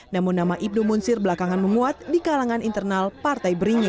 namun nama ibnu munsir belakangan memuat di kalangan internal partai beringin